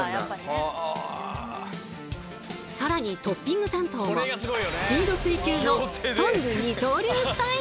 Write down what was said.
更にトッピング担当もスピード追求のトング二刀流スタイル。